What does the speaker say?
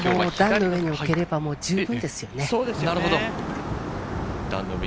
段の上に送れば、もう十分ですよね。